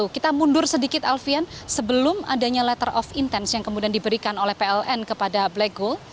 kita mundur sedikit alfian sebelum adanya letter of intens yang kemudian diberikan oleh pln kepada black gold